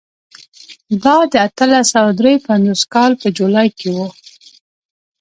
دا د اتلس سوه درې پنځوس کال په جولای کې و.